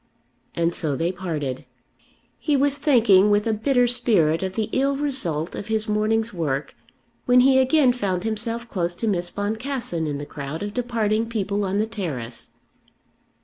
And so they parted. He was thinking with a bitter spirit of the ill result of his morning's work when he again found himself close to Miss Boncassen in the crowd of departing people on the terrace.